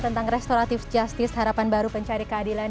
tentang restoratif justice harapan baru pencari keadilan